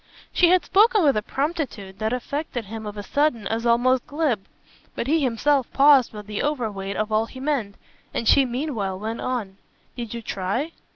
She had spoken with a promptitude that affected him of a sudden as almost glib; but he himself paused with the overweight of all he meant, and she meanwhile went on. "Did you try?"